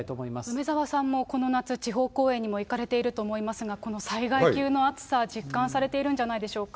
梅沢さんも、この夏、地方公演にも行かれていると思いますが、この災害級の暑さ、実感されているんじゃないでしょうか。